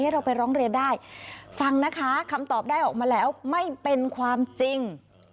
เราไปร้องเรียนได้ฟังนะคะคำตอบได้ออกมาแล้วไม่เป็นความจริง